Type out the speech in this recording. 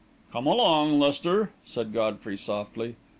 "Come along, Lester," said Godfrey softly.